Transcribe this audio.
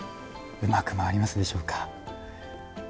うまく回りますでしょうか。